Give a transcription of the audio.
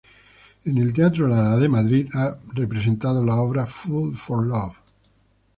En el Teatro Lara de Madrid ha representado la obra "Fool for love".